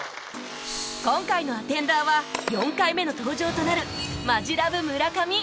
今回のアテンダーは４回目の登場となるマヂラブ村上